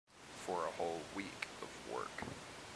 For a whole week of work.